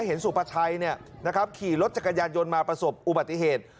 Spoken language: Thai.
เห็นสุปชัยเนี่ยนะครับขี่รถจักรยานยนต์มาประสบอุบัติเหตุ